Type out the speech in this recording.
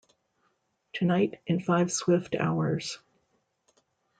Tonight, in five swift hours.